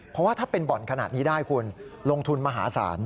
เพราะว่าถ้าเป็นบ่อนขนาดนี้ได้คุณลงทุนมหาศาล